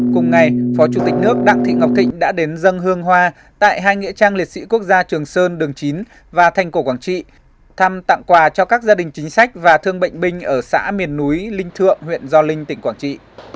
cùng ngày phó chủ tịch nước đặng thị ngọc thịnh đã đến dân hương hoa tại hai nghĩa trang liệt sĩ quốc gia trường sơn đường chín và thành cổ quảng trị thăm tặng quà cho các gia đình chính sách và thương bệnh binh ở xã miền núi linh thượng huyện gio linh tỉnh quảng trị